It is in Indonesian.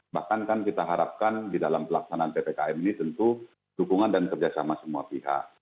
bahkan kan kita harapkan di dalam pelaksanaan ppkm ini tentu dukungan dan kerjasama semua pihak